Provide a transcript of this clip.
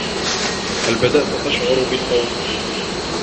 هل بدأت تشعر بالخوف؟